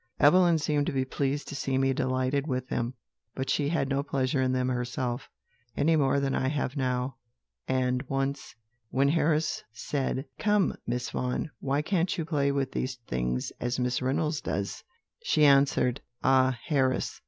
"Evelyn seemed to be pleased to see me delighted with them, but she had no pleasure in them herself, any more than I have now; and once, when Harris said: 'Come, Miss Vaughan, why can't you play with these things as Miss Reynolds does?' she answered: 'Ah, Harris!